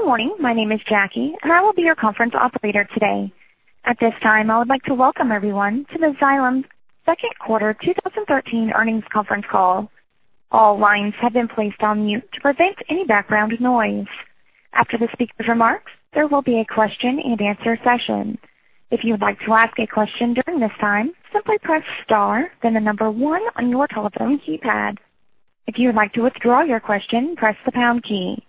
Good morning. My name is Jackie, and I will be your conference operator today. At this time, I would like to welcome everyone to the Xylem Second Quarter 2013 Earnings Conference Call. All lines have been placed on mute to prevent any background noise. After the speaker's remarks, there will be a question and answer session. If you would like to ask a question during this time, simply press star then the number 1 on your telephone keypad. If you would like to withdraw your question, press the pound key.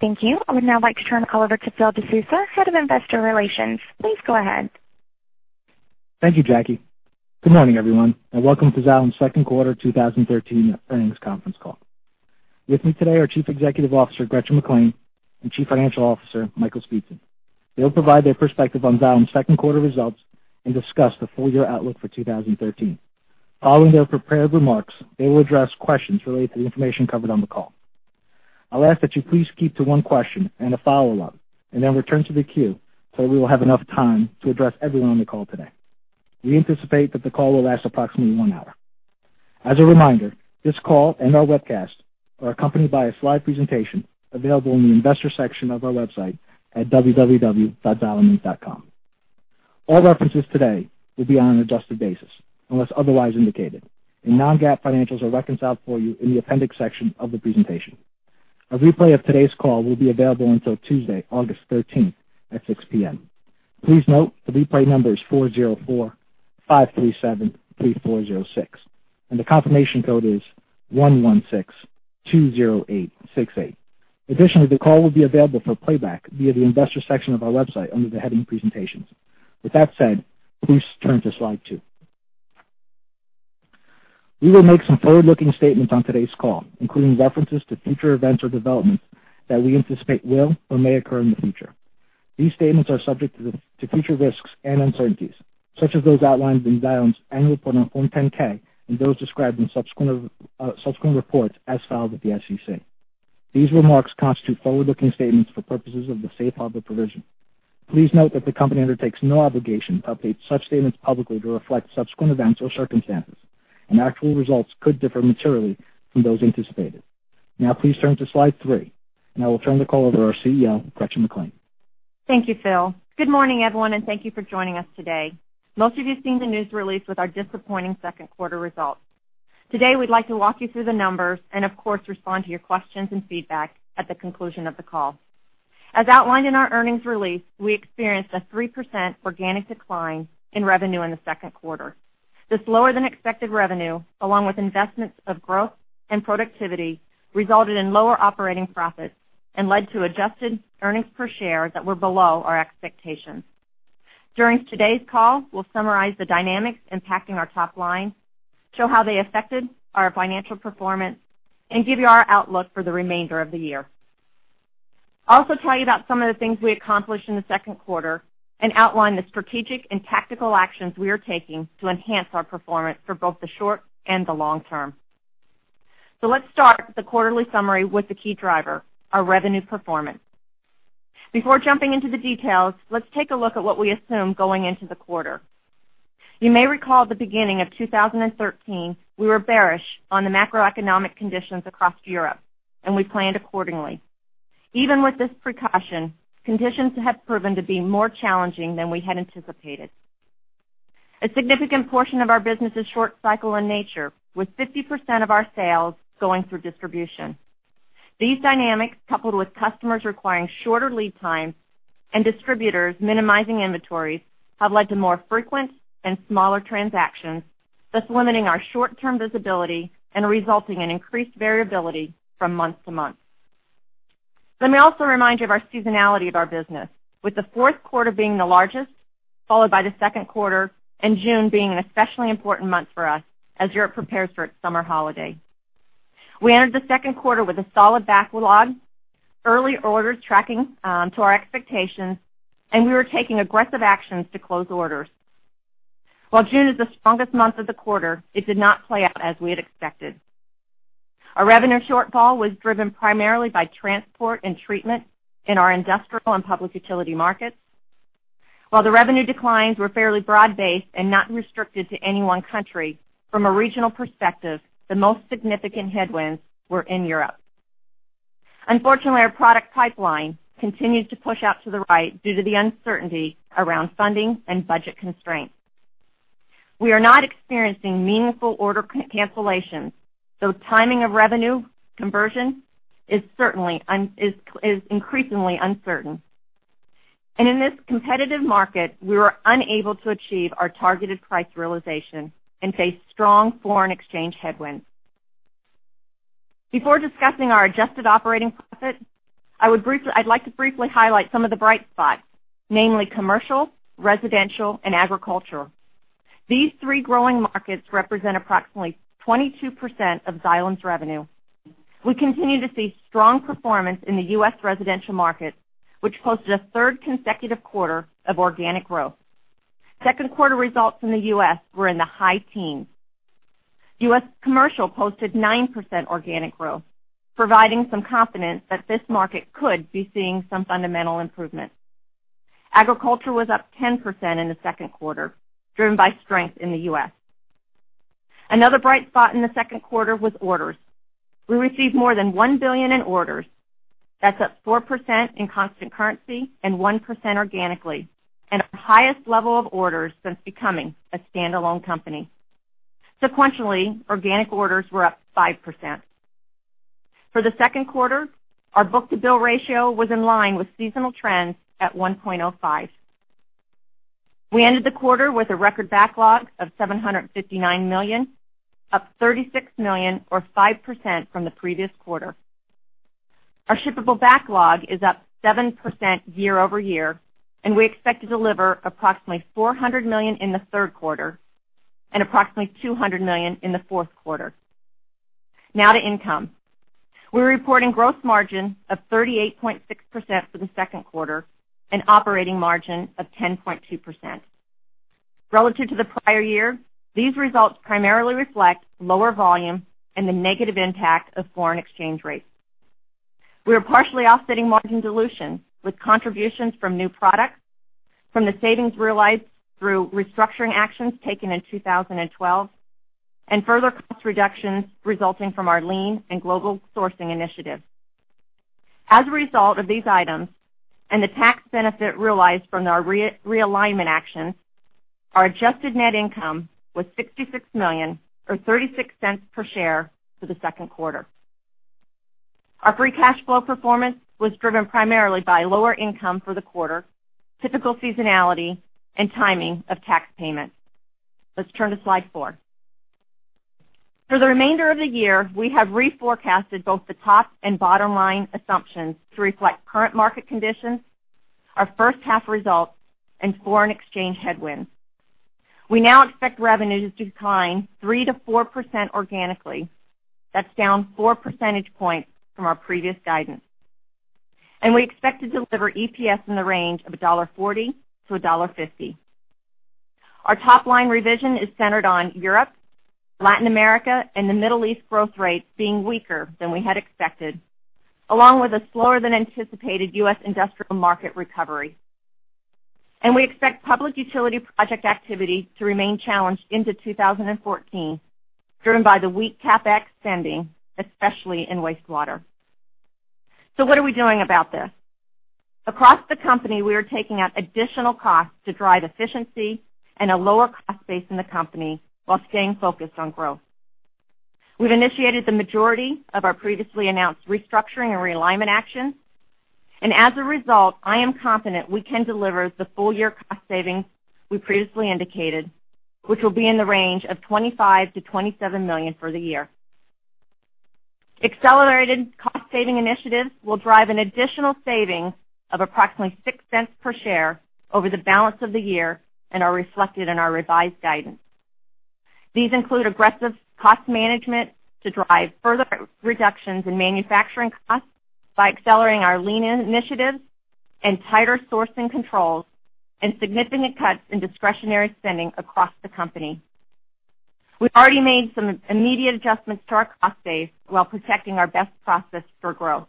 Thank you. I would now like to turn the call over to Phil DeSousa, Head of Investor Relations. Please go ahead. Thank you, Jackie. Good morning, everyone, and welcome to Xylem's Second Quarter 2013 Earnings Conference Call. With me today are Chief Executive Officer, Gretchen McClain, and Chief Financial Officer, Michael Speetzen. They'll provide their perspective on Xylem's second quarter results and discuss the full year outlook for 2013. Following their prepared remarks, they will address questions related to the information covered on the call. I'll ask that you please keep to one question and a follow-up and then return to the queue so that we will have enough time to address everyone on the call today. We anticipate that the call will last approximately one hour. As a reminder, this call and our webcast are accompanied by a slide presentation available in the investor section of our website at www.xyleminc.com. All references today will be on an adjusted basis unless otherwise indicated, and non-GAAP financials are reconciled for you in the appendix section of the presentation. A replay of today's call will be available until Tuesday, August 13th at 6:00 P.M. Please note the replay number is 404-537-3406, and the confirmation code is 11620868. Additionally, the call will be available for playback via the investor section of our website under the heading Presentations. With that said, please turn to slide two. We will make some forward-looking statements on today's call, including references to future events or developments that we anticipate will or may occur in the future. These statements are subject to future risks and uncertainties, such as those outlined in Xylem's annual report on Form 10-K, and those described in subsequent reports as filed with the SEC. These remarks constitute forward-looking statements for purposes of the safe harbor provision. Please note that the company undertakes no obligation to update such statements publicly to reflect subsequent events or circumstances, and actual results could differ materially from those anticipated. Now please turn to slide three, and I will turn the call over to our CEO, Gretchen McClain. Thank you, Phil. Good morning, everyone, and thank you for joining us today. Most of you have seen the news release with our disappointing second quarter results. Today, we'd like to walk you through the numbers and of course, respond to your questions and feedback at the conclusion of the call. As outlined in our earnings release, we experienced a 3% organic decline in revenue in the second quarter. This lower than expected revenue, along with investments of growth and productivity, resulted in lower operating profits and led to adjusted earnings per share that were below our expectations. During today's call, we'll summarize the dynamics impacting our top line, show how they affected our financial performance, and give you our outlook for the remainder of the year. I'll also tell you about some of the things we accomplished in the second quarter and outline the strategic and tactical actions we are taking to enhance our performance for both the short and the long term. Let's start the quarterly summary with the key driver, our revenue performance. Before jumping into the details, let's take a look at what we assumed going into the quarter. You may recall at the beginning of 2013, we were bearish on the macroeconomic conditions across Europe, and we planned accordingly. Even with this precaution, conditions have proven to be more challenging than we had anticipated. A significant portion of our business is short cycle in nature, with 50% of our sales going through distribution. These dynamics, coupled with customers requiring shorter lead times and distributors minimizing inventories, have led to more frequent and smaller transactions, thus limiting our short-term visibility and resulting in increased variability from month to month. Let me also remind you of our seasonality of our business, with the fourth quarter being the largest, followed by the second quarter, and June being an especially important month for us as Europe prepares for its summer holiday. We entered the second quarter with a solid backlog, early orders tracking to our expectations, and we were taking aggressive actions to close orders. While June is the strongest month of the quarter, it did not play out as we had expected. Our revenue shortfall was driven primarily by transport and treatment in our industrial and public utility markets. While the revenue declines were fairly broad-based and not restricted to any one country, from a regional perspective, the most significant headwinds were in Europe. Unfortunately, our product pipeline continued to push out to the right due to the uncertainty around funding and budget constraints. We are not experiencing meaningful order cancellations, so timing of revenue conversion is increasingly uncertain. In this competitive market, we were unable to achieve our targeted price realization and faced strong foreign exchange headwinds. Before discussing our adjusted operating profit, I'd like to briefly highlight some of the bright spots, namely commercial, residential, and agriculture. These three growing markets represent approximately 22% of Xylem's revenue. We continue to see strong performance in the U.S. residential market, which posted a third consecutive quarter of organic growth. Second quarter results in the U.S. were in the high teens. U.S. commercial posted 9% organic growth, providing some confidence that this market could be seeing some fundamental improvement. Agriculture was up 10% in the second quarter, driven by strength in the U.S. Another bright spot in the second quarter was orders. We received more than $1 billion in orders. That's up 4% in constant currency and 1% organically and our highest level of orders since becoming a standalone company. Sequentially, organic orders were up 5%. For the second quarter, our book-to-bill ratio was in line with seasonal trends at 1.05. We ended the quarter with a record backlog of $759 million, up $36 million or 5% from the previous quarter. Our shippable backlog is up 7% year-over-year, and we expect to deliver approximately $400 million in the third quarter and approximately $200 million in the fourth quarter. Now to income. We're reporting gross margin of 38.6% for the second quarter and operating margin of 10.2%. Relative to the prior year, these results primarily reflect lower volume and the negative impact of foreign exchange rates. We are partially offsetting margin dilution with contributions from new products, from the savings realized through restructuring actions taken in 2012, and further cost reductions resulting from our lean and global sourcing initiatives. As a result of these items and the tax benefit realized from our realignment action, our adjusted net income was $66 million or $0.36 per share for the second quarter. Our free cash flow performance was driven primarily by lower income for the quarter, typical seasonality, and timing of tax payments. Let's turn to slide four. For the remainder of the year, we have reforecasted both the top and bottom-line assumptions to reflect current market conditions, our first half results, and foreign exchange headwinds. We now expect revenues to decline 3%-4% organically. That's down four percentage points from our previous guidance. We expect to deliver EPS in the range of $1.40-$1.50. Our top-line revision is centered on Europe, Latin America, and the Middle East growth rates being weaker than we had expected, along with a slower-than-anticipated U.S. industrial market recovery. We expect public utility project activity to remain challenged into 2014, driven by the weak CapEx spending, especially in wastewater. What are we doing about this? Across the company, we are taking out additional costs to drive efficiency and a lower cost base in the company while staying focused on growth. We've initiated the majority of our previously announced restructuring and realignment actions. As a result, I am confident we can deliver the full-year cost savings we previously indicated, which will be in the range of $25 million-$27 million for the year. Accelerated cost-saving initiatives will drive an additional saving of approximately $0.06 per share over the balance of the year and are reflected in our revised guidance. These include aggressive cost management to drive further reductions in manufacturing costs by accelerating our lean initiatives and tighter sourcing controls and significant cuts in discretionary spending across the company. We've already made some immediate adjustments to our cost base while protecting our best process for growth.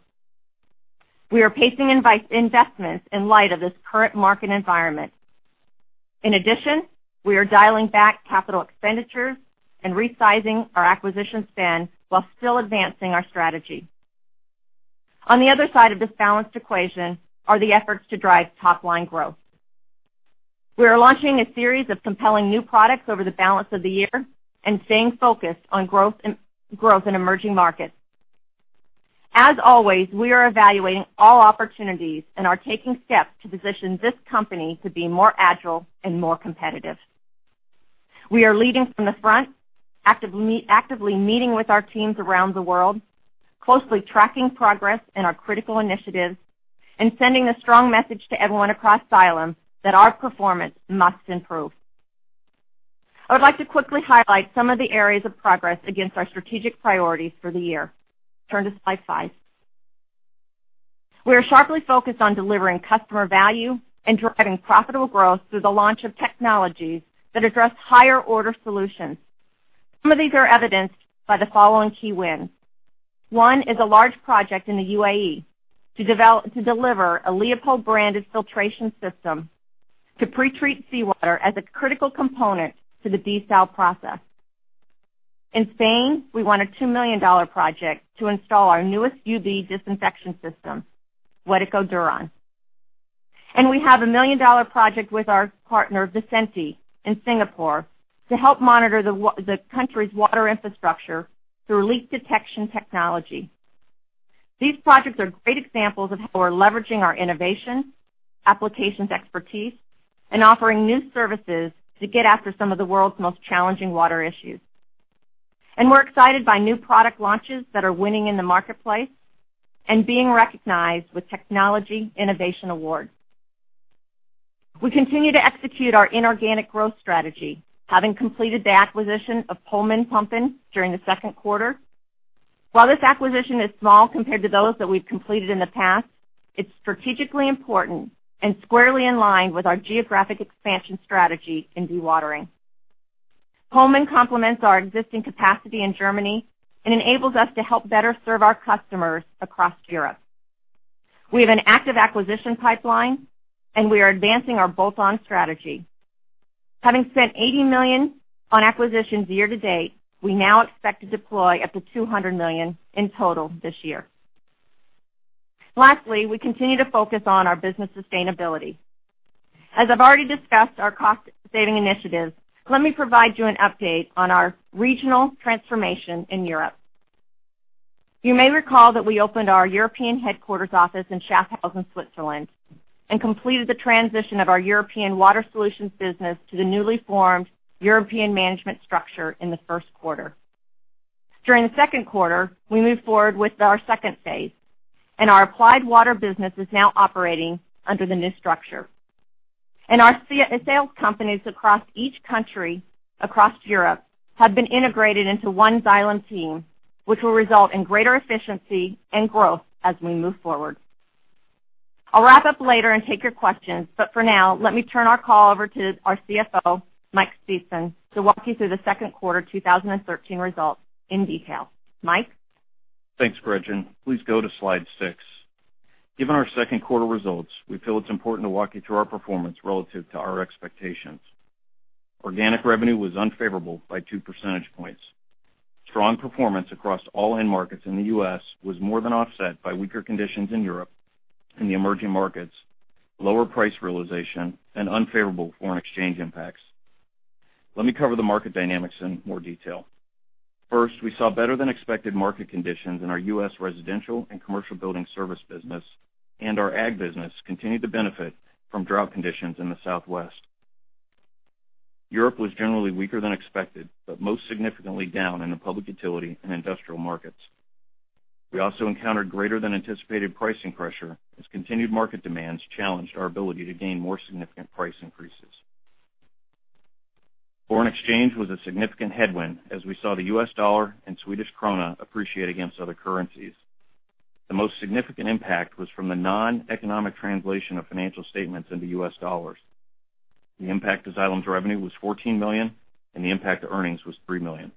We are pacing investments in light of this current market environment. In addition, we are dialing back capital expenditures and resizing our acquisition spend while still advancing our strategy. On the other side of this balanced equation are the efforts to drive top-line growth. We are launching a series of compelling new products over the balance of the year and staying focused on growth in emerging markets. As always, we are evaluating all opportunities and are taking steps to position this company to be more agile and more competitive. We are leading from the front, actively meeting with our teams around the world, closely tracking progress in our critical initiatives, and sending a strong message to everyone across Xylem that our performance must improve. I would like to quickly highlight some of the areas of progress against our strategic priorities for the year. Turn to slide five. We are sharply focused on delivering customer value and driving profitable growth through the launch of technologies that address higher-order solutions. Some of these are evidenced by the following key wins. One is a large project in the UAE to deliver a Leopold-branded filtration system to pre-treat seawater as a critical component to the desalination process. In Spain, we won a $2 million project to install our newest UV disinfection system, WEDECO Duron. We have a million-dollar project with our partner, Visenti, in Singapore to help monitor the country's water infrastructure through leak detection technology. These projects are great examples of how we're leveraging our innovation, applications expertise, and offering new services to get after some of the world's most challenging water issues. We're excited by new product launches that are winning in the marketplace and being recognized with technology innovation awards. We continue to execute our inorganic growth strategy, having completed the acquisition of Pollmann Pumpen during the second quarter. While this acquisition is small compared to those that we've completed in the past, it's strategically important and squarely in line with our geographic expansion strategy in dewatering. Pollmann complements our existing capacity in Germany and enables us to help better serve our customers across Europe. We have an active acquisition pipeline, and we are advancing our bolt-on strategy. Having spent $80 million on acquisitions year to date, we now expect to deploy up to $200 million in total this year. Lastly, we continue to focus on our business sustainability. As I've already discussed our cost-saving initiatives, let me provide you an update on our regional transformation in Europe. You may recall that we opened our European headquarters office in Schaffhausen, Switzerland, and completed the transition of our European Water Solutions Business to the newly formed European management structure in the first quarter. During the second quarter, we moved forward with our second phase, and our Applied Water business is now operating under the new structure. Our sales companies across each country across Europe have been integrated into one Xylem team, which will result in greater efficiency and growth as we move forward. I'll wrap up later and take your questions, but for now, let me turn our call over to our CFO, Michael Speetzen, to walk you through the second quarter 2013 results in detail. Mike? Thanks, Gretchen. Please go to slide six. Given our second quarter results, we feel it's important to walk you through our performance relative to our expectations. Organic revenue was unfavorable by two percentage points. Strong performance across all end markets in the U.S. was more than offset by weaker conditions in Europe and the emerging markets, lower price realization, and unfavorable foreign exchange impacts. Let me cover the market dynamics in more detail. First, we saw better than expected market conditions in our U.S. residential and commercial building service business, and our ag business continued to benefit from drought conditions in the Southwest. Europe was generally weaker than expected, but most significantly down in the public utility and industrial markets. We also encountered greater than anticipated pricing pressure, as continued market demands challenged our ability to gain more significant price increases. Foreign exchange was a significant headwind, as we saw the U.S. dollar and Swedish krona appreciate against other currencies. The most significant impact was from the non-economic translation of financial statements into U.S. dollars. The impact to Xylem's revenue was $14 million, and the impact to earnings was $3 million.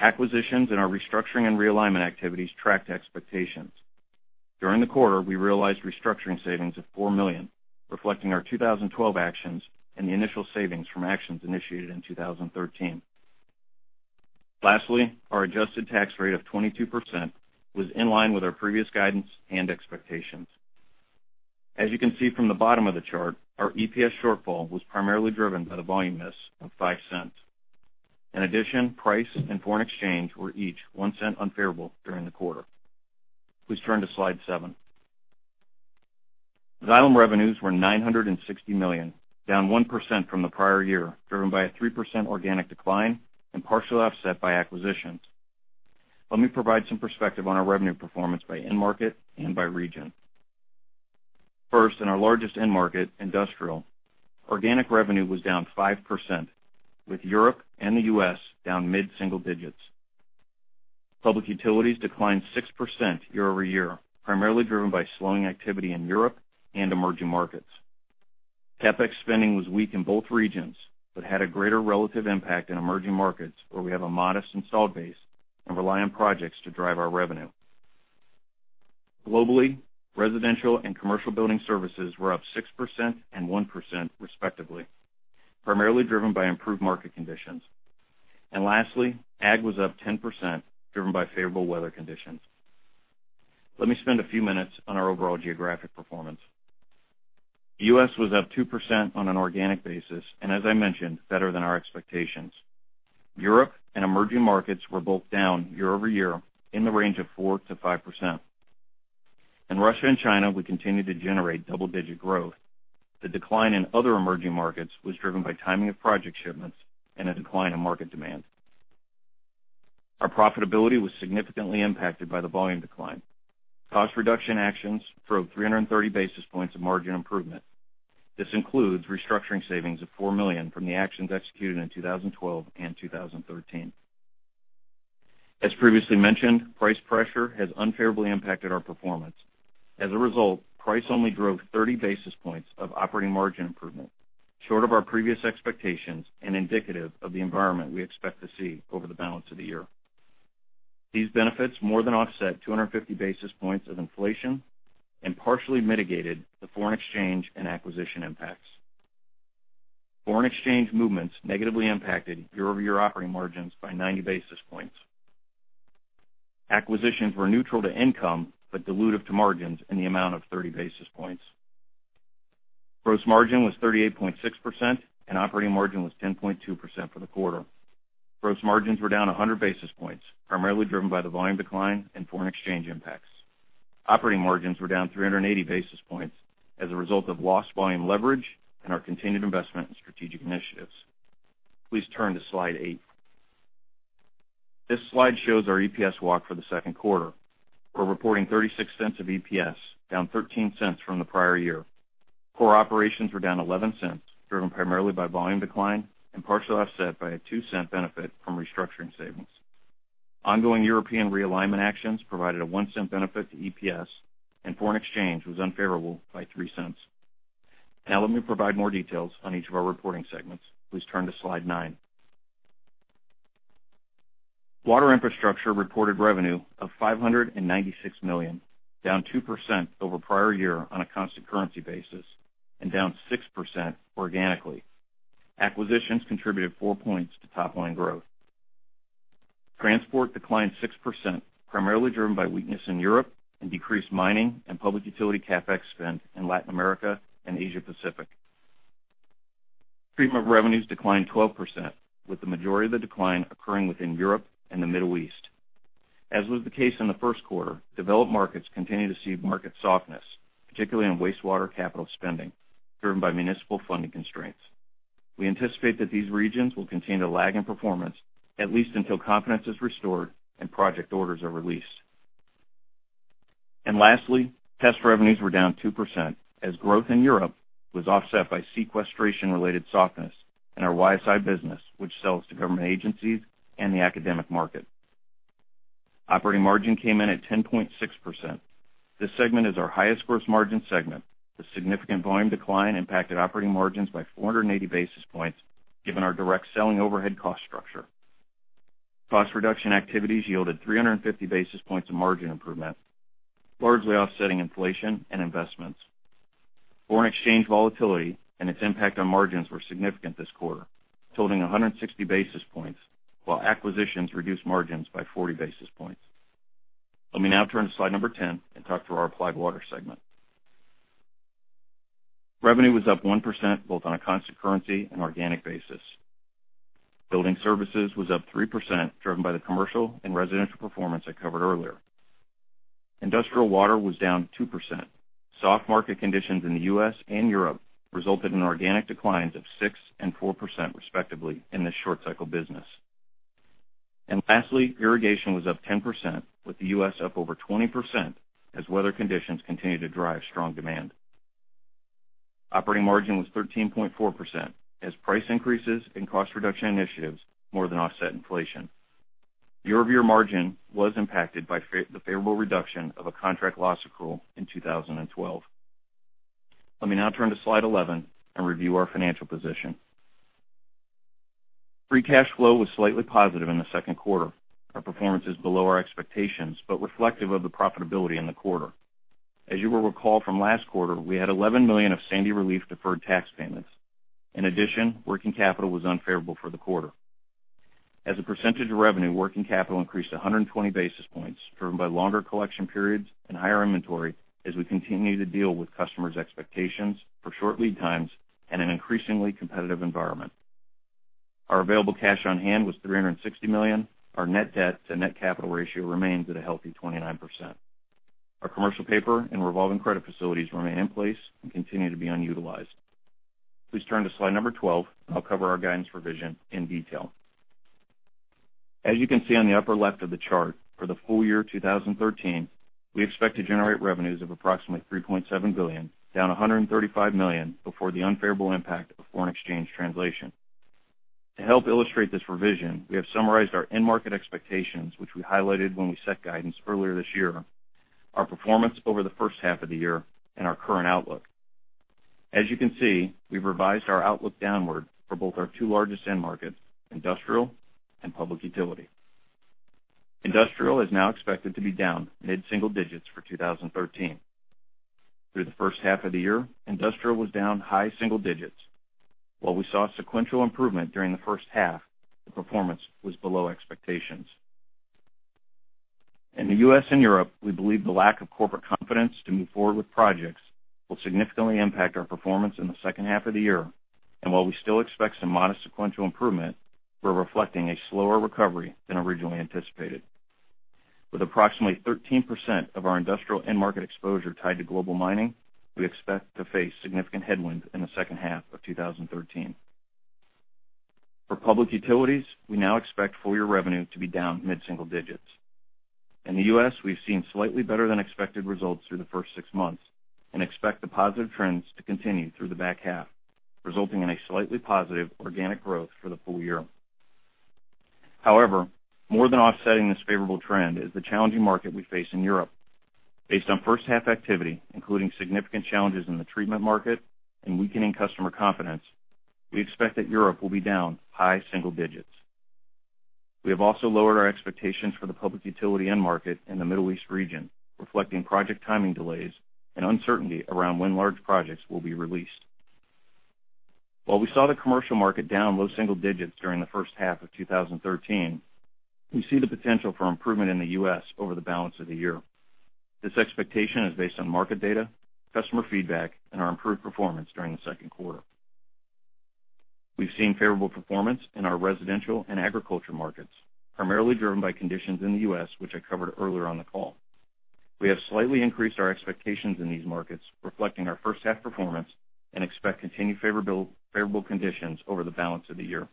Acquisitions and our restructuring and realignment activities tracked to expectations. During the quarter, we realized restructuring savings of $4 million, reflecting our 2012 actions and the initial savings from actions initiated in 2013. Lastly, our adjusted tax rate of 22% was in line with our previous guidance and expectations. As you can see from the bottom of the chart, our EPS shortfall was primarily driven by the volume miss of $0.05. In addition, price and foreign exchange were each $0.01 unfavorable during the quarter. Please turn to slide seven. Xylem revenues were $960 million, down 1% from the prior year, driven by a 3% organic decline and partially offset by acquisitions. Let me provide some perspective on our revenue performance by end market and by region. First, in our largest end market, industrial, organic revenue was down 5%, with Europe and the U.S. down mid-single digits. Public utilities declined 6% year-over-year, primarily driven by slowing activity in Europe and emerging markets. CapEx spending was weak in both regions, but had a greater relative impact in emerging markets, where we have a modest installed base and rely on projects to drive our revenue. Globally, residential and commercial building services were up 6% and 1% respectively, primarily driven by improved market conditions. Lastly, ag was up 10%, driven by favorable weather conditions. Let me spend a few minutes on our overall geographic performance. U.S. was up 2% on an organic basis, as I mentioned, better than our expectations. Europe and emerging markets were both down year-over-year in the range of 4%-5%. In Russia and China, we continued to generate double-digit growth. The decline in other emerging markets was driven by timing of project shipments and a decline in market demand. Our profitability was significantly impacted by the volume decline. Cost reduction actions drove 330 basis points of margin improvement. This includes restructuring savings of $4 million from the actions executed in 2012 and 2013. As previously mentioned, price pressure has unfavorably impacted our performance. As a result, price only drove 30 basis points of operating margin improvement, short of our previous expectations and indicative of the environment we expect to see over the balance of the year. These benefits more than offset 250 basis points of inflation and partially mitigated the foreign exchange and acquisition impacts. Foreign exchange movements negatively impacted year-over-year operating margins by 90 basis points. Acquisitions were neutral to income but dilutive to margins in the amount of 30 basis points. Gross margin was 38.6%, and operating margin was 10.2% for the quarter. Gross margins were down 100 basis points, primarily driven by the volume decline and foreign exchange impacts. Operating margins were down 380 basis points as a result of lost volume leverage and our continued investment in strategic initiatives. Please turn to slide eight. This slide shows our EPS walk for the second quarter. We are reporting $0.36 of EPS, down $0.13 from the prior year. Core operations were down $0.11, driven primarily by volume decline and partially offset by a $0.02 benefit from restructuring savings. Ongoing European realignment actions provided a $0.01 benefit to EPS, foreign exchange was unfavorable by $0.03. Now let me provide more details on each of our reporting segments. Please turn to slide nine. Water Infrastructure reported revenue of $596 million, down 2% over prior year on a constant currency basis, and down 6% organically. Acquisitions contributed four points to top-line growth. Transport declined 6%, primarily driven by weakness in Europe and decreased mining and public utility CapEx spend in Latin America and Asia Pacific. Treatment revenues declined 12%, with the majority of the decline occurring within Europe and the Middle East. As was the case in the first quarter, developed markets continue to see market softness, particularly in wastewater capital spending, driven by municipal funding constraints. We anticipate that these regions will continue to lag in performance, at least until confidence is restored and project orders are released. Lastly, test revenues were down 2% as growth in Europe was offset by sequestration-related softness in our YSI business, which sells to government agencies and the academic market. Operating margin came in at 10.6%. This segment is our highest gross margin segment. The significant volume decline impacted operating margins by 480 basis points, given our direct selling overhead cost structure. Cost reduction activities yielded 350 basis points of margin improvement, largely offsetting inflation and investments. Foreign exchange volatility and its impact on margins were significant this quarter, totaling 160 basis points, while acquisitions reduced margins by 40 basis points. Let me now turn to slide 10 and talk through our Applied Water segment. Revenue was up 1%, both on a constant currency and organic basis. Building services was up 3%, driven by the commercial and residential performance I covered earlier. Industrial water was down 2%. Soft market conditions in the U.S. and Europe resulted in organic declines of 6% and 4%, respectively, in this short cycle business. Lastly, irrigation was up 10%, with the U.S. up over 20% as weather conditions continue to drive strong demand. Operating margin was 13.4% as price increases and cost reduction initiatives more than offset inflation. Year-over-year margin was impacted by the favorable reduction of a contract loss accrual in 2012. Let me now turn to slide 11 and review our financial position. Free cash flow was slightly positive in the second quarter. Our performance is below our expectations, but reflective of the profitability in the quarter. As you will recall from last quarter, we had $11 million of Sandy relief deferred tax payments. In addition, working capital was unfavorable for the quarter. As a percentage of revenue, working capital increased 120 basis points, driven by longer collection periods and higher inventory as we continue to deal with customers' expectations for short lead times and an increasingly competitive environment. Our available cash on hand was $360 million. Our net debt to net capital ratio remains at a healthy 29%. Our commercial paper and revolving credit facilities remain in place and continue to be unutilized. Please turn to slide number 12, and I'll cover our guidance revision in detail. As you can see on the upper left of the chart, for the full year 2013, we expect to generate revenues of approximately $3.7 billion, down $135 million before the unfavorable impact of foreign exchange translation. To help illustrate this revision, we have summarized our end market expectations, which we highlighted when we set guidance earlier this year, our performance over the first half of the year, and our current outlook. As you can see, we've revised our outlook downward for both our two largest end markets, industrial and public utility. Industrial is now expected to be down mid-single digits for 2013. Through the first half of the year, industrial was down high single digits. While we saw sequential improvement during the first half, the performance was below expectations. In the U.S. and Europe, we believe the lack of corporate confidence to move forward with projects will significantly impact our performance in the second half of the year. While we still expect some modest sequential improvement, we're reflecting a slower recovery than originally anticipated. With approximately 13% of our industrial end market exposure tied to global mining, we expect to face significant headwinds in the second half of 2013. For public utilities, we now expect full year revenue to be down mid-single digits. In the U.S., we've seen slightly better than expected results through the first six months and expect the positive trends to continue through the back half, resulting in a slightly positive organic growth for the full year. However, more than offsetting this favorable trend is the challenging market we face in Europe. Based on first half activity, including significant challenges in the treatment market and weakening customer confidence, we expect that Europe will be down high single digits. We have also lowered our expectations for the public utility end market in the Middle East region, reflecting project timing delays and uncertainty around when large projects will be released. While we saw the commercial market down low single digits during the first half of 2013, we see the potential for improvement in the U.S. over the balance of the year. This expectation is based on market data, customer feedback, and our improved performance during the second quarter. We've seen favorable performance in our residential and agriculture markets, primarily driven by conditions in the U.S., which I covered earlier on the call. We have slightly increased our expectations in these markets, reflecting our first half performance, and expect continued favorable conditions over the balance of the year.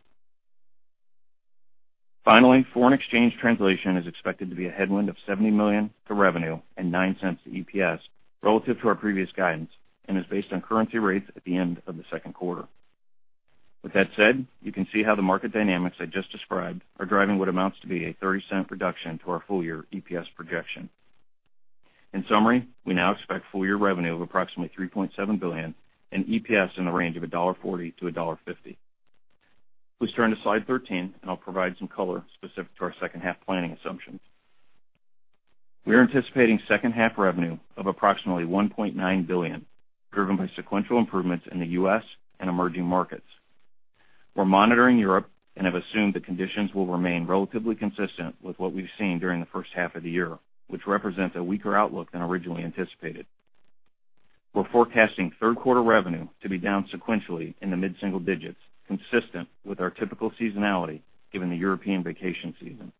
Finally, foreign exchange translation is expected to be a headwind of $70 million to revenue and $0.09 to EPS relative to our previous guidance and is based on currency rates at the end of the second quarter. With that said, you can see how the market dynamics I just described are driving what amounts to be a $0.30 reduction to our full year EPS projection. In summary, we now expect full year revenue of approximately $3.7 billion and EPS in the range of $1.40 to $1.50. Please turn to slide 13, and I'll provide some color specific to our second half planning assumptions. We are anticipating second half revenue of approximately $1.9 billion, driven by sequential improvements in the U.S. and emerging markets. We're monitoring Europe and have assumed the conditions will remain relatively consistent with what we've seen during the first half of the year, which represents a weaker outlook than originally anticipated. We're forecasting third quarter revenue to be down sequentially in the mid-single digits, consistent with our typical seasonality given the European vacation season.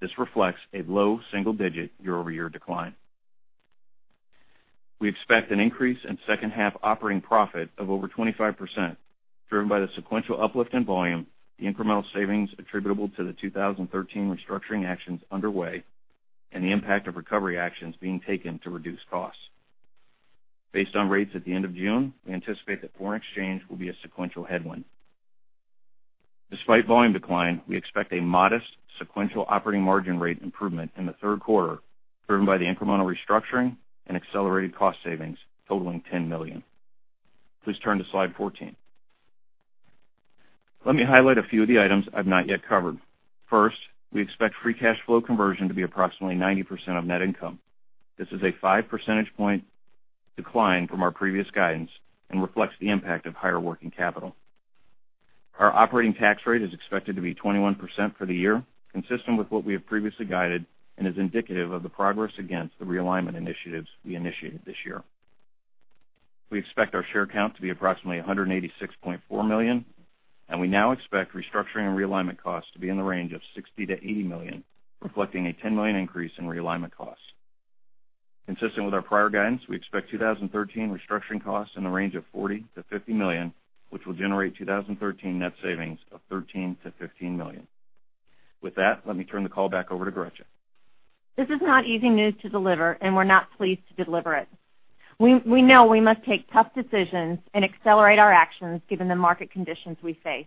This reflects a low single-digit year-over-year decline. We expect an increase in second half operating profit of over 25%, driven by the sequential uplift in volume, the incremental savings attributable to the 2013 restructuring actions underway, and the impact of recovery actions being taken to reduce costs. Based on rates at the end of June, we anticipate that foreign exchange will be a sequential headwind. Despite volume decline, we expect a modest sequential operating margin rate improvement in the third quarter, driven by the incremental restructuring and accelerated cost savings totaling $10 million. Please turn to slide 14. Let me highlight a few of the items I've not yet covered. Our operating tax rate is expected to be 21% for the year, consistent with what we have previously guided, and is indicative of the progress against the realignment initiatives we initiated this year. We expect our share count to be approximately 186.4 million, and we now expect restructuring and realignment costs to be in the range of $60 million-$80 million, reflecting a $10 million increase in realignment costs. Consistent with our prior guidance, we expect 2013 restructuring costs in the range of $40 million-$50 million, which will generate 2013 net savings of $13 million-$15 million. With that, let me turn the call back over to Gretchen. This is not easy news to deliver, and we're not pleased to deliver it. We know we must take tough decisions and accelerate our actions given the market conditions we face.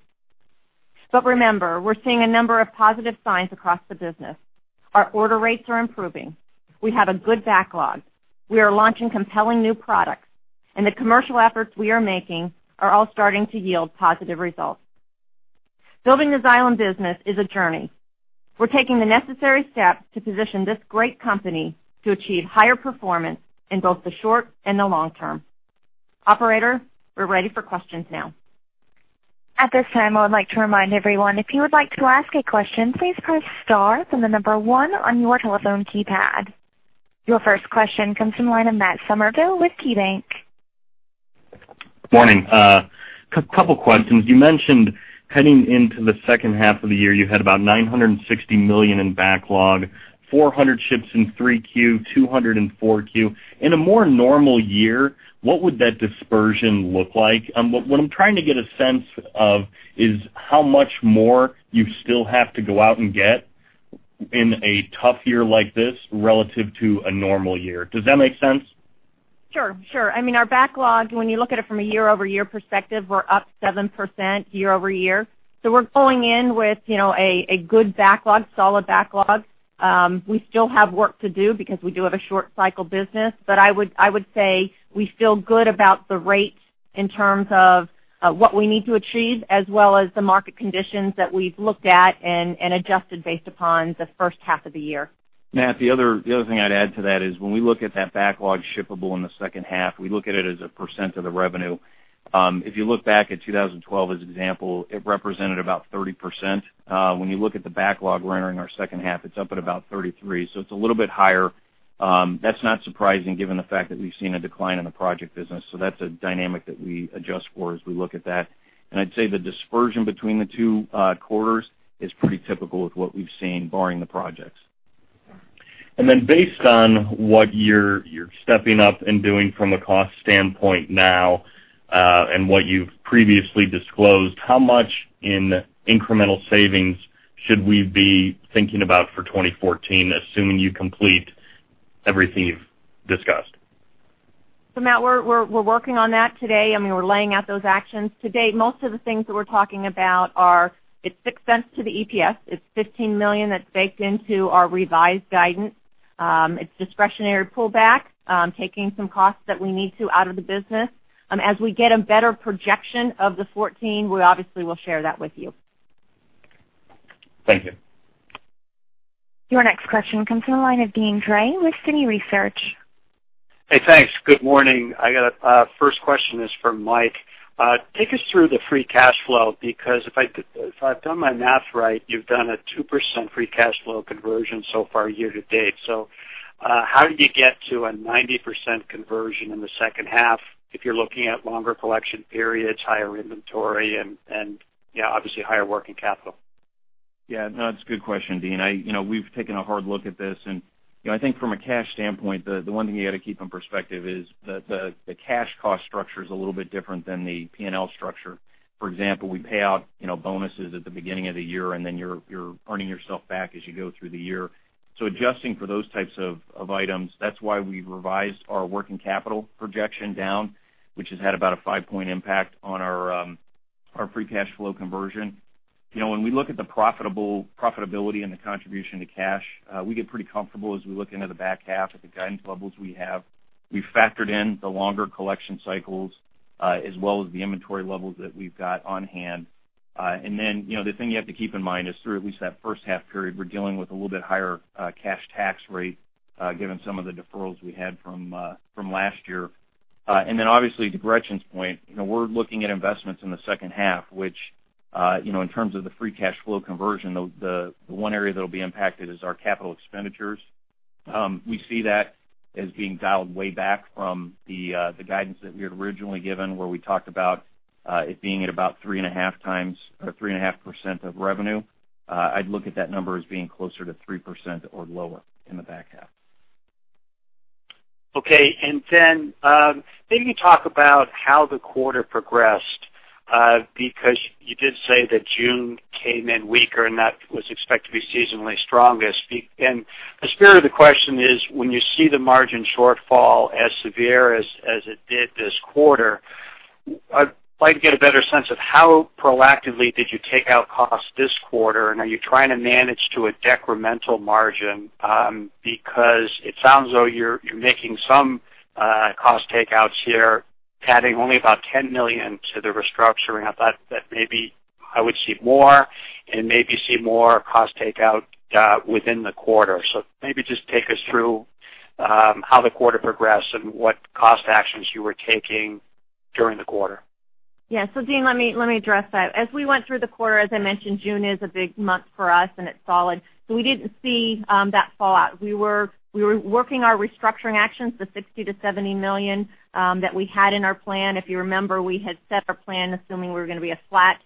Remember, we're seeing a number of positive signs across the business. Our order rates are improving. We have a good backlog. We are launching compelling new products. The commercial efforts we are making are all starting to yield positive results. Building the Xylem business is a journey. We're taking the necessary steps to position this great company to achieve higher performance in both the short and the long term. Operator, we're ready for questions now. At this time, I would like to remind everyone, if you would like to ask a question, please press star, then the number one on your telephone keypad. Your first question comes from the line of Matt Summerville with KeyBank. Morning. Couple questions. You mentioned heading into the second half of the year, you had about $960 million in backlog, 400 ships in 3Q, 200 in 4Q. In a more normal year, what would that dispersion look like? What I'm trying to get a sense of is how much more you still have to go out and get in a tough year like this relative to a normal year. Does that make sense? Sure. Our backlog, when you look at it from a year-over-year perspective, we're up 7% year-over-year. We're going in with a good backlog, solid backlog. We still have work to do because we do have a short cycle business. I would say we feel good about the rate in terms of what we need to achieve, as well as the market conditions that we've looked at and adjusted based upon the first half of the year. Matt, the other thing I'd add to that is when we look at that backlog shippable in the second half, we look at it as a percent of the revenue. If you look back at 2012 as an example, it represented about 30%. When you look at the backlog we're entering our second half, it's up at about 33%. It's a little bit higher. That's not surprising given the fact that we've seen a decline in the project business. That's a dynamic that we adjust for as we look at that. I'd say the dispersion between the two quarters is pretty typical with what we've seen barring the projects. Based on what you're stepping up and doing from a cost standpoint now, and what you've previously disclosed, how much in incremental savings should we be thinking about for 2014, assuming you complete everything you've discussed? Matt, we're working on that today. We're laying out those actions today. Most of the things that we're talking about are, it's $0.06 to the EPS. It's $15 million that's baked into our revised guidance. It's discretionary pullback, taking some costs that we need to out of the business. As we get a better projection of the 2014, we obviously will share that with you. Thank you. Your next question comes from the line of Deane Dray with Citi Research. Hey, thanks. Good morning. I got a first question is for Mike. Take us through the free cash flow, because if I've done my math right, you've done a 2% free cash flow conversion so far year-to-date. How do you get to a 90% conversion in the second half if you're looking at longer collection periods, higher inventory and obviously higher working capital? No, it's a good question, Deane. We've taken a hard look at this, and I think from a cash standpoint, the one thing you got to keep in perspective is the cash cost structure is a little bit different than the P&L structure. For example, we pay out bonuses at the beginning of the year, then you're earning yourself back as you go through the year. Adjusting for those types of items, that's why we revised our working capital projection down, which has had about a 5-point impact on our free cash flow conversion. When we look at the profitability and the contribution to cash, we get pretty comfortable as we look into the back half at the guidance levels we have. We've factored in the longer collection cycles, as well as the inventory levels that we've got on hand. The thing you have to keep in mind is through at least that first half period, we're dealing with a little bit higher cash tax rate, given some of the deferrals we had from last year. Obviously to Gretchen's point, we're looking at investments in the second half, which, in terms of the free cash flow conversion, the one area that'll be impacted is our capital expenditures. We see that as being dialed way back from the guidance that we had originally given, where we talked about it being at about 3.5% of revenue. I'd look at that number as being closer to 3% or lower in the back half. Okay. Maybe talk about how the quarter progressed, because you did say that June came in weaker, and that was expected to be seasonally strongest. The spirit of the question is, when you see the margin shortfall as severe as it did this quarter, I'd like to get a better sense of how proactively did you take out costs this quarter, and are you trying to manage to a decremental margin? Because it sounds though you're making some cost takeouts here, adding only about $10 million to the restructuring. I thought that maybe I would see more and maybe see more cost takeout within the quarter. Maybe just take us through how the quarter progressed and what cost actions you were taking during the quarter. Yeah. Deane, let me address that. As we went through the quarter, as I mentioned, June is a big month for us and it's solid. We didn't see that fallout. We were working our restructuring actions, the $60 million-$70 million, that we had in our plan. If you remember, we had set our plan assuming we were going to be a flat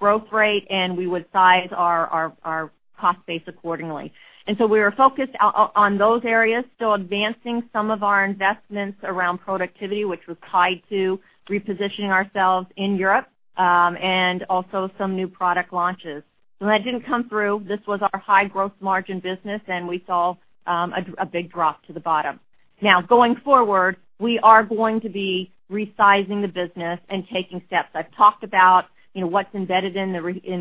growth rate, and we would size our cost base accordingly. We were focused on those areas, still advancing some of our investments around productivity, which was tied to repositioning ourselves in Europe, and also some new product launches. That didn't come through. This was our high growth margin business, and we saw a big drop to the bottom. Now, going forward, we are going to be resizing the business and taking steps. I've talked about what's embedded in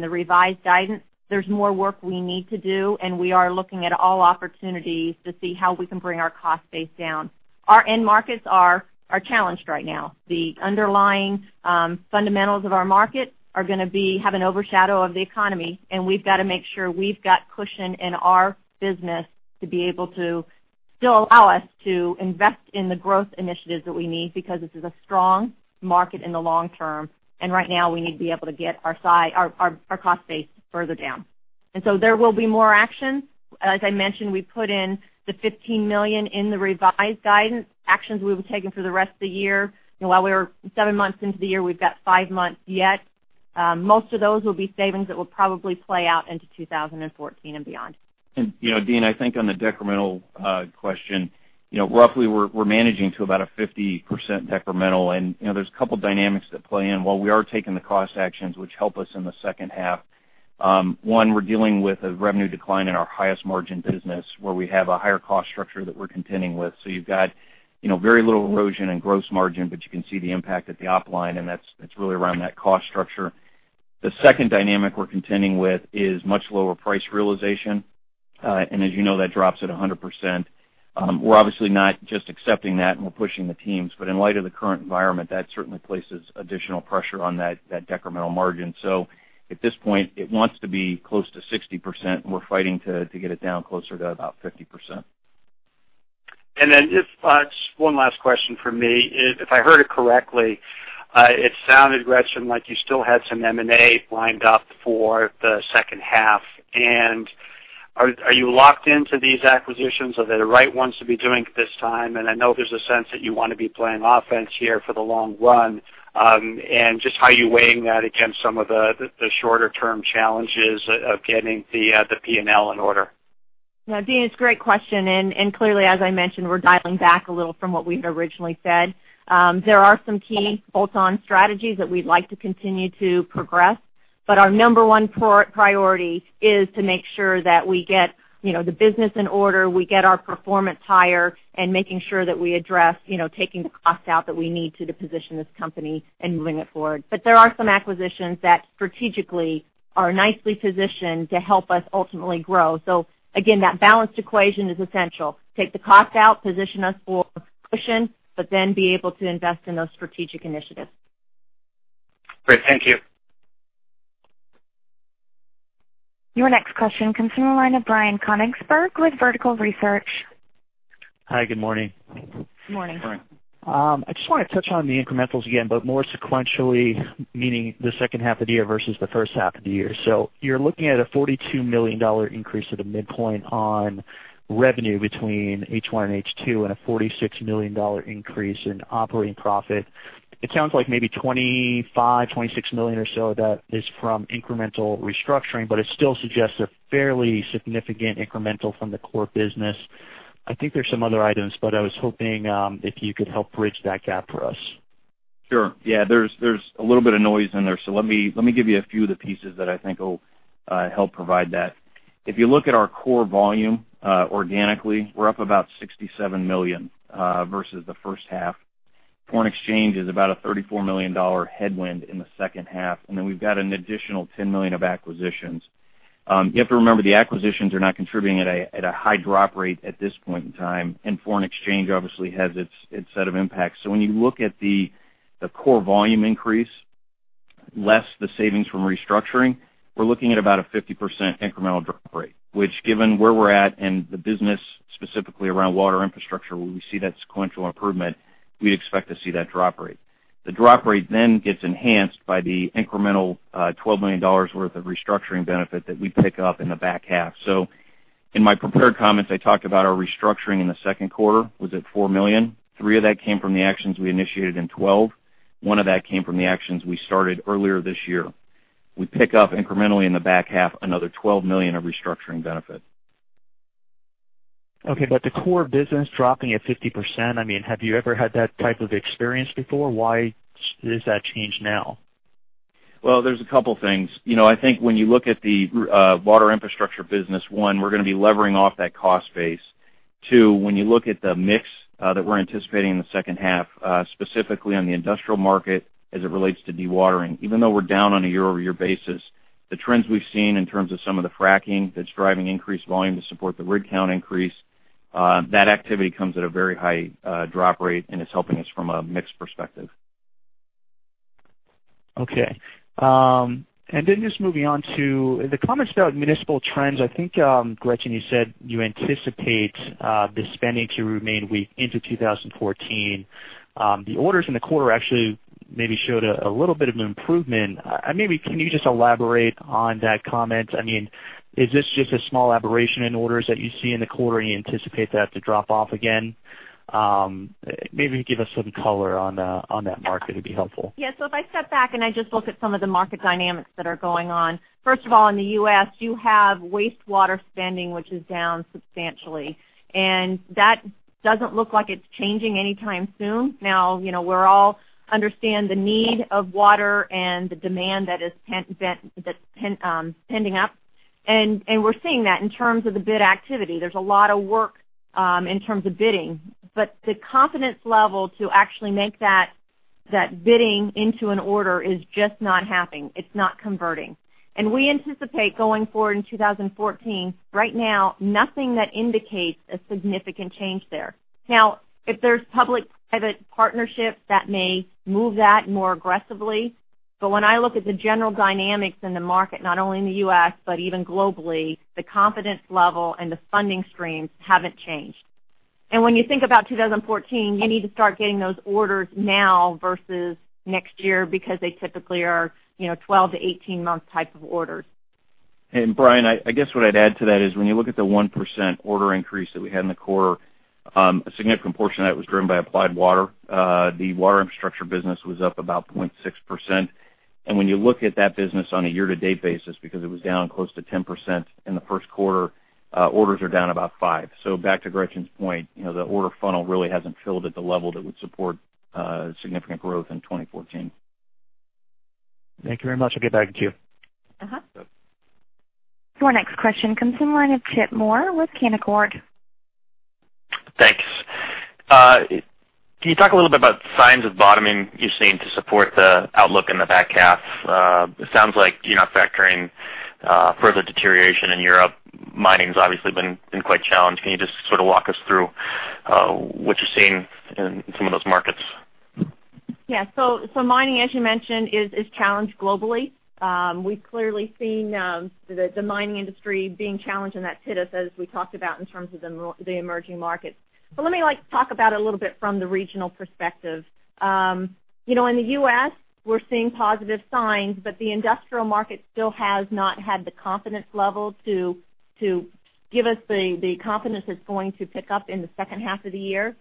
the revised guidance. There's more work we need to do, and we are looking at all opportunities to see how we can bring our cost base down. Our end markets are challenged right now. The underlying fundamentals of our market are going to have an overshadow of the economy, and we've got to make sure we've got cushion in our business to be able to still allow us to invest in the growth initiatives that we need, because this is a strong market in the long term. Right now, we need to be able to get our cost base further down. There will be more action. As I mentioned, we put in the $15 million in the revised guidance, actions we will be taking for the rest of the year. While we're seven months into the year, we've got five months yet. Most of those will be savings that will probably play out into 2014 and beyond. Deane, I think on the decremental question, roughly, we're managing to about a 50% decremental and there's a couple of dynamics that play in while we are taking the cost actions, which help us in the second half. One, we're dealing with a revenue decline in our highest margin business, where we have a higher cost structure that we're contending with. You've got very little erosion in gross margin, but you can see the impact at the op line, and that's really around that cost structure. The second dynamic we're contending with is much lower price realization. As you know, that drops at 100%. We're obviously not just accepting that and we're pushing the teams, but in light of the current environment, that certainly places additional pressure on that decremental margin. At this point, it wants to be close to 60%, and we're fighting to get it down closer to about 50%. Just one last question from me. If I heard it correctly, it sounded, Gretchen, like you still had some M&A lined up for the second half. Are you locked into these acquisitions? Are they the right ones to be doing at this time? I know there's a sense that you want to be playing offense here for the long run. How are you weighing that against some of the shorter-term challenges of getting the P&L in order? Dean, it's a great question. Clearly, as I mentioned, we're dialing back a little from what we'd originally said. There are some key bolt-on strategies that we'd like to continue to progress, our number one priority is to make sure that we get the business in order, we get our performance higher, and making sure that we address taking the cost out that we need to position this company and moving it forward. There are some acquisitions that strategically are nicely positioned to help us ultimately grow. Again, that balanced equation is essential. Take the cost out, position us for cushion, then be able to invest in those strategic initiatives. Great. Thank you. Your next question comes from the line of Brian Konigsberg with Vertical Research. Hi, good morning. Morning. Morning. I just want to touch on the incrementals again, but more sequentially, meaning the second half of the year versus the first half of the year. You're looking at a $42 million increase at the midpoint on revenue between H1 and H2 and a $46 million increase in operating profit. It sounds like maybe $25, $26 million or so that is from incremental restructuring, but it still suggests a fairly significant incremental from the core business. I think there's some other items, but I was hoping if you could help bridge that gap for us. Sure. Yeah, there's a little bit of noise in there. Let me give you a few of the pieces that I think will help provide that. If you look at our core volume, organically, we're up about $67 million versus the first half. Foreign exchange is about a $34 million headwind in the second half, and then we've got an additional $10 million of acquisitions. You have to remember, the acquisitions are not contributing at a high drop rate at this point in time, and foreign exchange obviously has its set of impacts. When you look at the core volume increase, less the savings from restructuring, we're looking at about a 50% incremental drop rate, which given where we're at and the business specifically around Water Infrastructure, where we see that sequential improvement, we'd expect to see that drop rate. The drop rate gets enhanced by the incremental $12 million worth of restructuring benefit that we pick up in the back half. In my prepared comments, I talked about our restructuring in the second quarter was at $4 million. Three of that came from the actions we initiated in 2012. One of that came from the actions we started earlier this year. We pick up incrementally in the back half, another $12 million of restructuring benefit. The core business dropping at 50%, have you ever had that type of experience before? Why does that change now? Well, there's a couple things. I think when you look at the Water Infrastructure business, one, we're going to be levering off that cost base. Two, when you look at the mix that we're anticipating in the second half, specifically on the industrial market as it relates to dewatering, even though we're down on a year-over-year basis, the trends we've seen in terms of some of the fracking that's driving increased volume to support the rig count increase, that activity comes at a very high drop rate, and it's helping us from a mix perspective. Okay. Just moving on to the comments about municipal trends. I think, Gretchen, you said you anticipate the spending to remain weak into 2014. The orders in the quarter actually maybe showed a little bit of an improvement. Maybe can you just elaborate on that comment? Is this just a small aberration in orders that you see in the quarter and you anticipate that to drop off again? Maybe give us some color on that market, it'd be helpful. Yes. If I step back and I just look at some of the market dynamics that are going on. First of all, in the U.S., you have wastewater spending, which is down substantially, and that doesn't look like it's changing anytime soon. We all understand the need of water and the demand that is pending up, and we're seeing that in terms of the bid activity. There's a lot of work in terms of bidding. The confidence level to actually make that bidding into an order is just not happening. It's not converting. We anticipate going forward in 2014, right now, nothing that indicates a significant change there. If there's public-private partnership, that may move that more aggressively. When I look at the general dynamics in the market, not only in the U.S., but even globally, the confidence level and the funding streams haven't changed. When you think about 2014, you need to start getting those orders now versus next year because they typically are 12-18-month type of orders. Brian, I guess what I'd add to that is when you look at the 1% order increase that we had in the quarter, a significant portion of that was driven by Applied Water. The Water Infrastructure business was up about 0.6%. When you look at that business on a year-to-date basis, because it was down close to 10% in the first quarter, orders are down about 5%. Back to Gretchen's point, the order funnel really hasn't filled at the level that would support significant growth in 2014. Thank you very much. I'll get back to you. Yep. Your next question comes from the line of Chip Moore with Canaccord. Thanks. Can you talk a little bit about signs of bottoming you're seeing to support the outlook in the back half? It sounds like you're not factoring further deterioration in Europe. Mining's obviously been quite challenged. Can you just sort of walk us through what you're seeing in some of those markets? Yeah. Mining, as you mentioned, is challenged globally. We've clearly seen the mining industry being challenged, and that hit us as we talked about in terms of the emerging markets. Let me talk about it a little bit from the regional perspective. In the U.S., we're seeing positive signs, but the industrial market still has not had the confidence level to give us the confidence it's going to pick up in the second half of the year.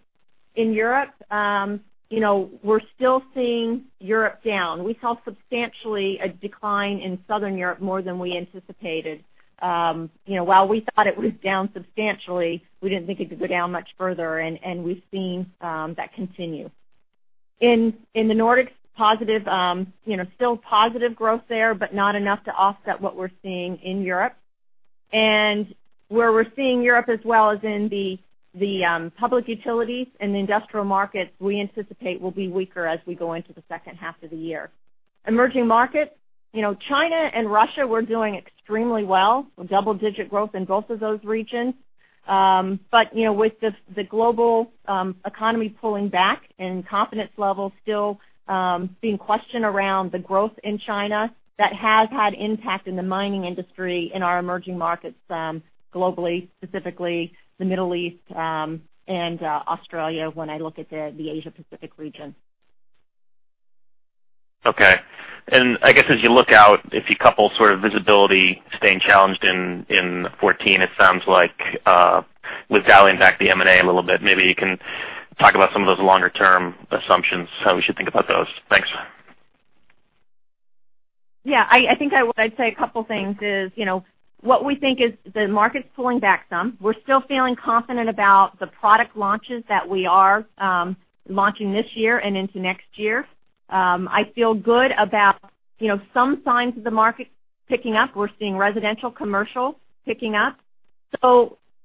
In Europe, we're still seeing Europe down. We saw substantially a decline in Southern Europe more than we anticipated. While we thought it was down substantially, we didn't think it could go down much further, and we've seen that continue. In the Nordics, still positive growth there, but not enough to offset what we're seeing in Europe. Where we're seeing Europe as well is in the public utilities and the industrial markets, we anticipate will be weaker as we go into the second half of the year. Emerging markets, China and Russia were doing extremely well, double-digit growth in both of those regions. With the global economy pulling back and confidence level still being questioned around the growth in China, that has had impact in the mining industry in our emerging markets globally, specifically the Middle East and Australia, when I look at the Asia Pacific region. Okay. I guess as you look out, if you couple sort of visibility staying challenged in 2014, it sounds like with dialing back the M&A a little bit, maybe you can talk about some of those longer-term assumptions, how we should think about those. Thanks. Yeah. I think I would say a couple of things is, what we think is the market's pulling back some. We're still feeling confident about the product launches that we are launching this year and into next year. I feel good about some signs of the market picking up. We're seeing residential, commercial picking up.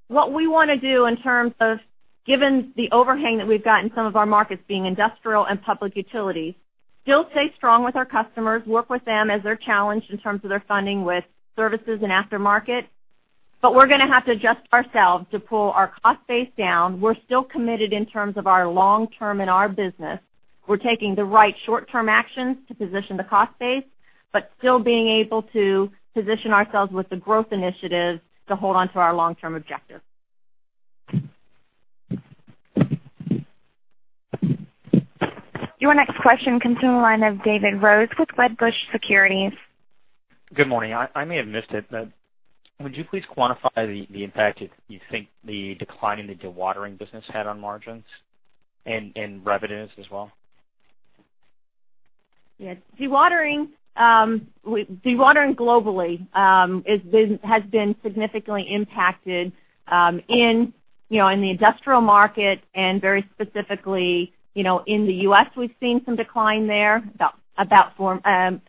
What we want to do in terms of, given the overhang that we've got in some of our markets being industrial and public utility, still stay strong with our customers, work with them as they're challenged in terms of their funding with services and aftermarket, but we're going to have to adjust ourselves to pull our cost base down. We're still committed in terms of our long-term in our business. We're taking the right short-term actions to position the cost base, still being able to position ourselves with the growth initiatives to hold onto our long-term objective. Your next question comes from the line of David Rose with Wedbush Securities. Good morning. I may have missed it, but would you please quantify the impact you think the decline in the dewatering business had on margins and revenues as well? Yes. Dewatering globally has been significantly impacted in the industrial market and very specifically, in the U.S., we've seen some decline there, about $4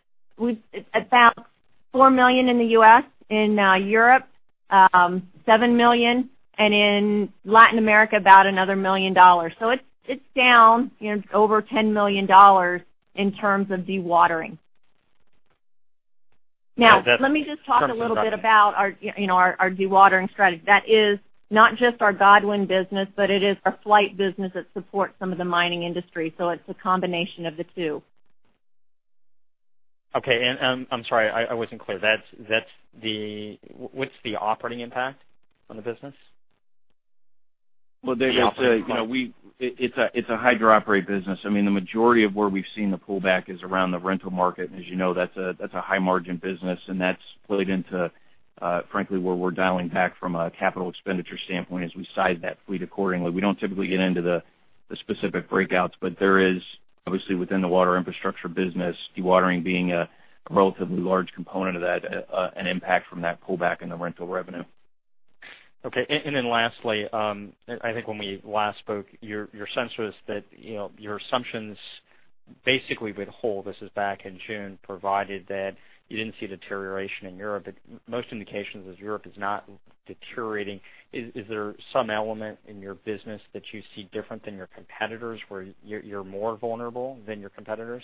million in the U.S., in Europe, $7 million, and in Latin America, about another $1 million. It's down over $10 million in terms of dewatering. Okay. Let me just talk a little bit about our dewatering strategy. That is not just our Godwin business, but it is our Flygt business that supports some of the mining industry. It's a combination of the two. Okay. I'm sorry, I wasn't clear. What's the operating impact on the business? Well, David, it's a hydro-operated business. The majority of where we've seen the pullback is around the rental market, and as you know, that's a high margin business, and that's played into, frankly, where we're dialing back from a capital expenditure standpoint as we size that fleet accordingly. We don't typically get into the specific breakouts, but there is, obviously within the Water Infrastructure business, dewatering being a relatively large component of that, an impact from that pullback in the rental revenue. Okay. Lastly, I think when we last spoke, your sense was that your assumptions basically would hold, this is back in June, provided that you didn't see deterioration in Europe. Most indications is Europe is not deteriorating. Is there some element in your business that you see different than your competitors, where you're more vulnerable than your competitors?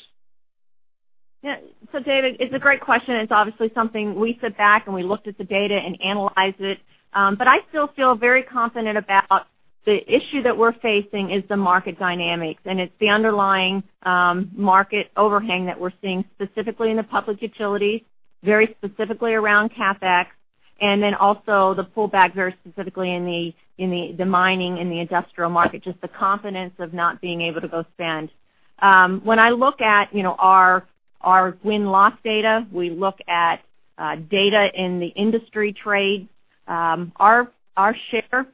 Yeah. David, it's a great question. It's obviously something we sit back and we looked at the data and analyzed it. I still feel very confident about the issue that we're facing is the market dynamics, and it's the underlying market overhang that we're seeing, specifically in the public utility, very specifically around CapEx, also the pullback very specifically in the mining and the industrial market, just the confidence of not being able to go spend. When I look at our win-loss data, we look at data in the industry trade. Our share,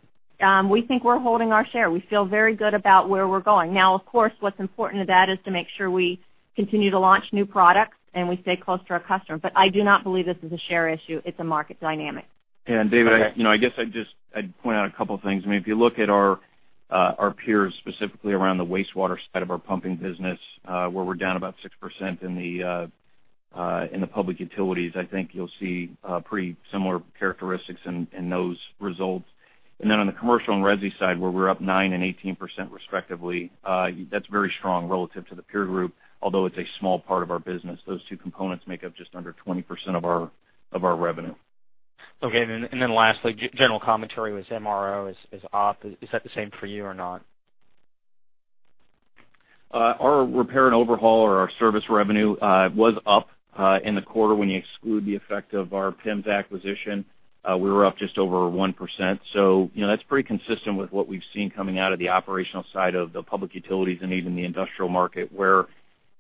we think we're holding our share. We feel very good about where we're going. Now, of course, what's important to that is to make sure we continue to launch new products and we stay close to our customers. I do not believe this is a share issue. It's a market dynamic. David, I guess I'd point out a couple of things. If you look at our peers, specifically around the wastewater side of our pumping business, where we're down about 6% in the public utilities, I think you'll see pretty similar characteristics in those results. On the commercial and resi side, where we're up 9% and 18% respectively, that's very strong relative to the peer group, although it's a small part of our business. Those two components make up just under 20% of our revenue. Okay, lastly, general commentary was MRO is up. Is that the same for you or not? Our repair and overhaul or our service revenue was up in the quarter. When you exclude the effect of our PIMS acquisition, we were up just over 1%. That's pretty consistent with what we've seen coming out of the operational side of the public utilities and even the industrial market where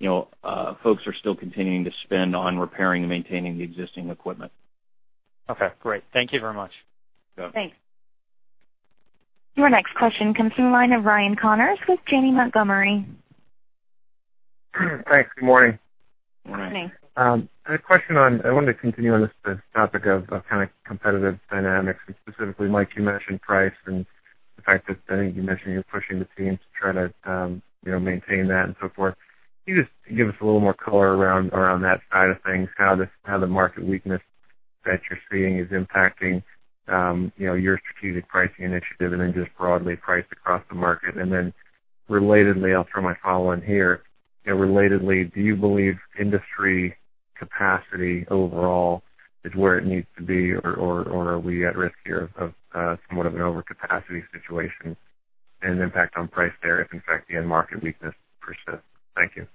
folks are still continuing to spend on repairing and maintaining the existing equipment. Okay, great. Thank you very much. Yeah. Thanks. Your next question comes from the line of Ryan Connors with Janney Montgomery. Thanks. Good morning. Morning. I had a question on, I wanted to continue on this topic of kind of competitive dynamics, and specifically, Mike, you mentioned price and the fact that I think you mentioned you're pushing the team to try to maintain that and so forth. Can you just give us a little more color around that side of things, how the market weakness that you're seeing is impacting your strategic pricing initiative and then just broadly price across the market? Relatedly, I'll throw my follow on here. Relatedly, do you believe industry capacity overall is where it needs to be or are we at risk here of somewhat of an overcapacity situation and impact on price there if in fact the end market weakness persists? Thank you.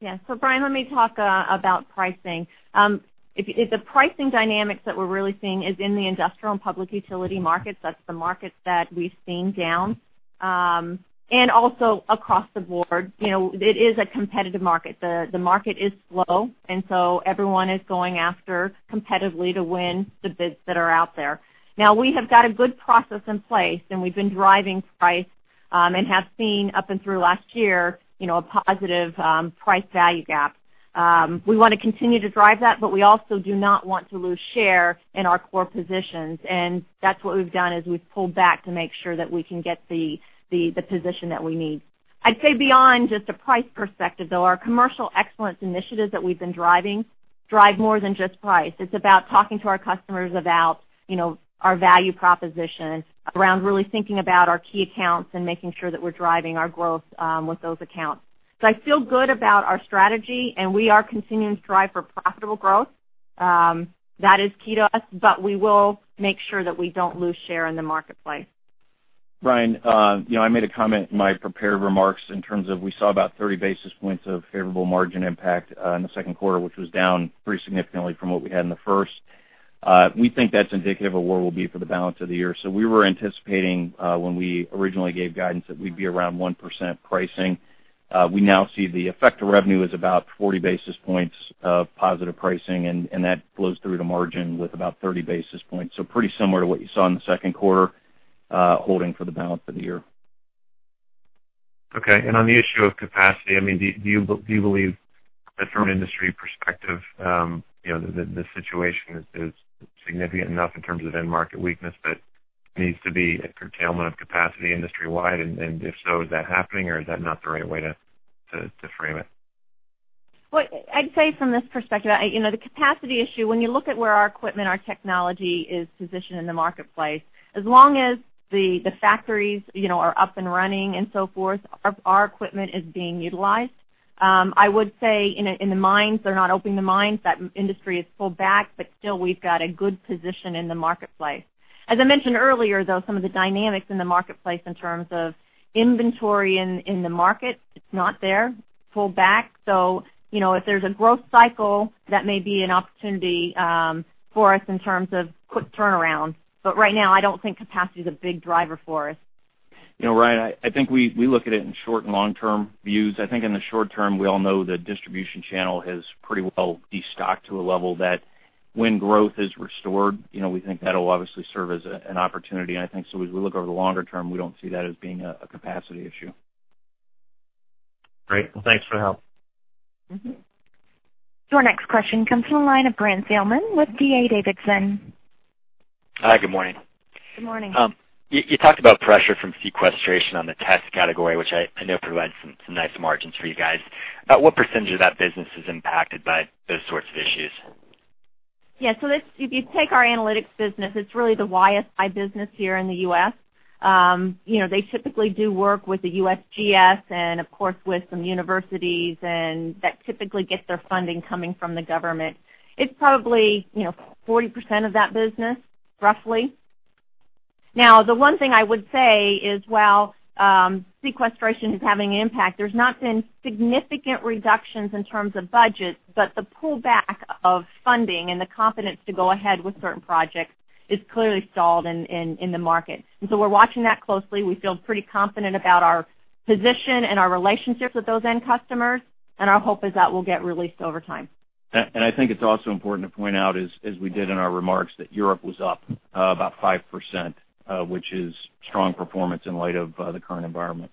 Yeah. Ryan, let me talk about pricing. The pricing dynamics that we're really seeing is in the industrial and public utility markets. That's the markets that we've seen down, and also across the board. It is a competitive market. The market is slow, and so everyone is going after competitively to win the bids that are out there. Now, we have got a good process in place, and we've been driving price, and have seen up and through last year, a positive price value gap. We want to continue to drive that, but we also do not want to lose share in our core positions. That's what we've done, is we've pulled back to make sure that we can get the position that we need. I'd say beyond just a price perspective, though, our commercial excellence initiatives that we've been driving, drive more than just price. It's about talking to our customers about our value proposition around really thinking about our key accounts and making sure that we're driving our growth with those accounts. I feel good about our strategy, and we are continuing to strive for profitable growth. That is key to us, but we will make sure that we don't lose share in the marketplace. Ryan, I made a comment in my prepared remarks in terms of. We saw about 30 basis points of favorable margin impact in the second quarter, which was down pretty significantly from what we had in the first. We think that's indicative of where we'll be for the balance of the year. We were anticipating, when we originally gave guidance, that we'd be around 1% pricing. We now see the effect of revenue as about 40 basis points of positive pricing, and that flows through to margin with about 30 basis points. Pretty similar to what you saw in the second quarter, holding for the balance of the year. Okay. On the issue of capacity, do you believe that from an industry perspective, the situation is significant enough in terms of end market weakness that needs to be a curtailment of capacity industry-wide? If so, is that happening or is that not the right way to frame it? Well, I'd say from this perspective, the capacity issue, when you look at where our equipment, our technology is positioned in the marketplace, as long as the factories are up and running and so forth, our equipment is being utilized. I would say, in the mines, they're not opening the mines. That industry has pulled back, but still we've got a good position in the marketplace. As I mentioned earlier, though, some of the dynamics in the marketplace in terms of inventory in the market, it's not there. It's pulled back. If there's a growth cycle, that may be an opportunity for us in terms of quick turnaround. Right now, I don't think capacity is a big driver for us. Ryan, I think we look at it in short and long-term views. I think in the short term, we all know the distribution channel has pretty well destocked to a level that when growth is restored, we think that'll obviously serve as an opportunity. I think so as we look over the longer term, we don't see that as being a capacity issue. Great. Well, thanks for the help. Your next question comes from the line of Grant Saligman with D.A. Davidson. Hi, good morning. Good morning. You talked about pressure from sequestration on the test category, which I know provides some nice margins for you guys. About what % of that business is impacted by those sorts of issues? Yeah. If you take our analytics business, it's really the YSI business here in the U.S. They typically do work with the USGS and, of course, with some universities, and that typically gets their funding coming from the government. It's probably 40% of that business, roughly. The one thing I would say is while sequestration is having an impact, there's not been significant reductions in terms of budget, but the pullback of funding and the confidence to go ahead with certain projects is clearly stalled in the market. We're watching that closely. We feel pretty confident about our position and our relationships with those end customers, our hope is that we'll get released over time. I think it's also important to point out is, as we did in our remarks, that Europe was up about 5%, which is strong performance in light of the current environment.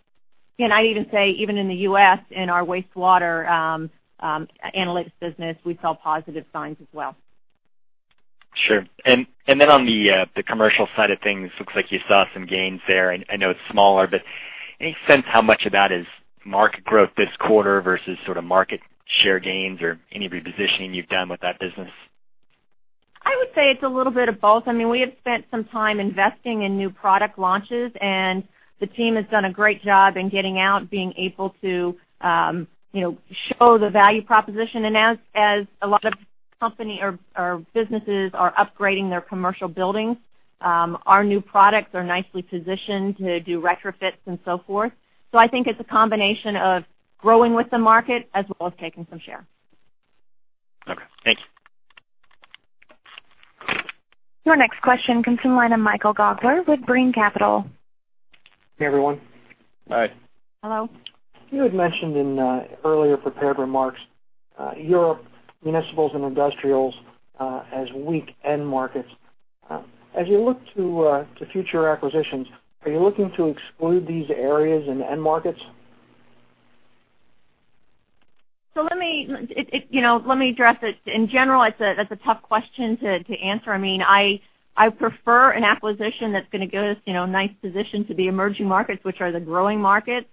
Yeah, I'd even say, even in the U.S., in our wastewater analytics business, we saw positive signs as well. Sure. On the commercial side of things, looks like you saw some gains there. I know it's smaller, but any sense how much of that is market growth this quarter versus sort of market share gains or any repositioning you've done with that business? I would say it's a little bit of both. We have spent some time investing in new product launches, the team has done a great job in getting out, being able to show the value proposition. As a lot of company or businesses are upgrading their commercial buildings, our new products are nicely positioned to do retrofits and so forth. I think it's a combination of growing with the market as well as taking some share. Okay. Thank you. Your next question comes from the line of Michael Gaugler with Brean Capital. Hey, everyone. Hi. Hello. You had mentioned in earlier prepared remarks, Europe municipals and industrials as weak end markets. As you look to future acquisitions, are you looking to exclude these areas and end markets? Let me address it. In general, that's a tough question to answer. I prefer an acquisition that's going to give us a nice position to the emerging markets, which are the growing markets.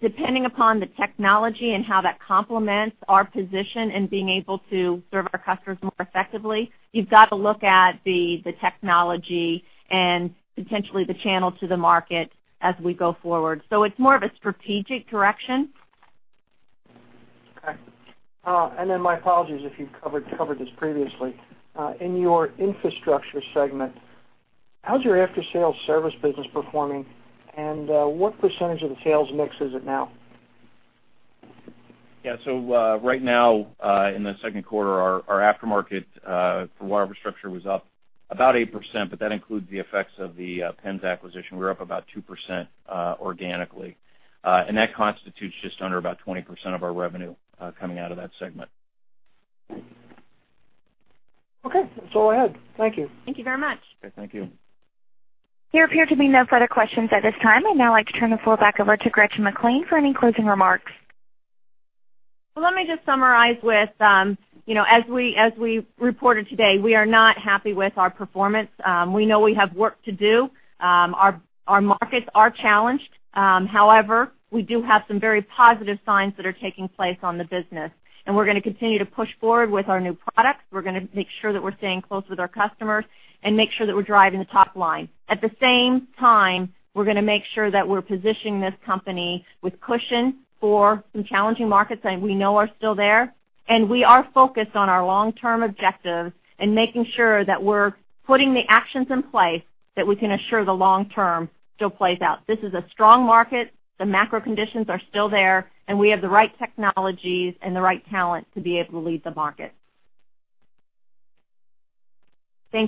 Depending upon the technology and how that complements our position and being able to serve our customers more effectively, you've got to look at the technology and potentially the channel to the market as we go forward. It's more of a strategic direction. Okay. My apologies if you've covered this previously. In your Infrastructure segment, how's your after-sale service business performing, and what percentage of the sales mix is it now? Yeah. Right now, in the second quarter, our aftermarket for Water Infrastructure was up about 8%, but that includes the effects of the PIMS acquisition. We're up about 2% organically. That constitutes just under about 20% of our revenue coming out of that segment. Okay. That's all I had. Thank you. Thank you very much. Okay. Thank you. There appear to be no further questions at this time. I'd now like to turn the floor back over to Gretchen McClain for any closing remarks. Well, let me just summarize with, as we reported today, we are not happy with our performance. We know we have work to do. Our markets are challenged. We do have some very positive signs that are taking place on the business, and we're going to continue to push forward with our new products. We're going to make sure that we're staying close with our customers and make sure that we're driving the top line. At the same time, we're going to make sure that we're positioning this company with cushion for some challenging markets that we know are still there. We are focused on our long-term objectives and making sure that we're putting the actions in place that we can assure the long term still plays out. This is a strong market, the macro conditions are still there, and we have the right technologies and the right talent to be able to lead the market. Thank you.